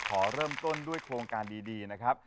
ขอเริ่มต้นด้วยโครงการดีนะครับ